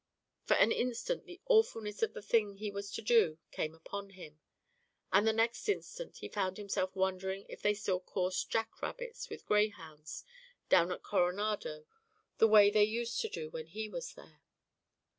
For an instant the awfulness of the thing he was to do came upon him, and the next instant he found himself wondering if they still coursed jack rabbits with greyhounds down at Coronado the way they used to do when he was there.